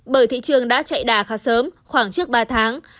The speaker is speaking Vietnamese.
bởi thị trường đã chạy đà khá sớm khoảng trước ba tháng